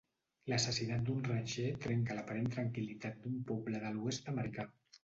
L'assassinat d'un ranxer trenca l'aparent tranquil·litat d'un poble de l'oest americà.